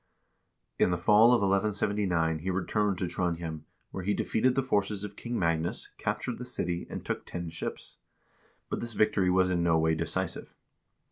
In the fall of 1179 he returned to Trondhjem, where he defeated the forces of King Magnus, cap tured the city, and took ten ships ; but this victory was in no way decisive.